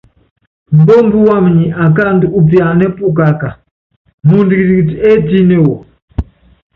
Mbómbú wam nyi akáaandú úpiananɛ́ pukaká, muundɔ kitikiti étíne wɔ.